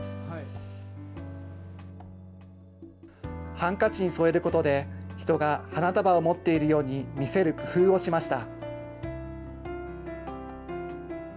ハンカチに添えることで、人が花束を持っているように見せる工夫をしました。